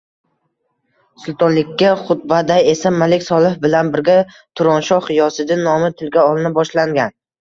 Sultonlikka xutbada esa Malik Solih bilan birga Turonshoh G‘iyosiddin nomi tilga olina boshlangan